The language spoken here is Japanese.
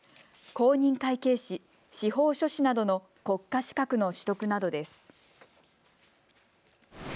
公認会計士、司法書士などの国家資格の取得などです。